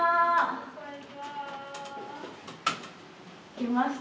来ました。